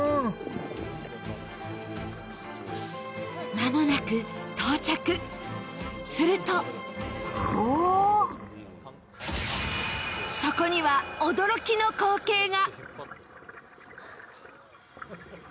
間もなく到着、するとそこには驚きの光景が。